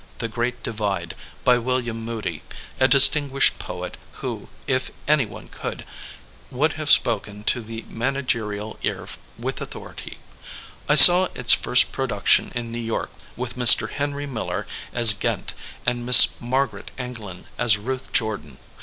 The Great Divide, by William Moody, a dis tinguished poet who, if anyone could, would have spoken to the managerial ear with authority. I saw CHARACTERIZATION vs. SITUATION 87 its first production in New York with Mr. Henry Miller as Ghent and Miss Margaret Anglin as Ruth Jordan.